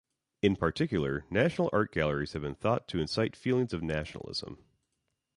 In particular, national art galleries have been thought to incite feelings of nationalism.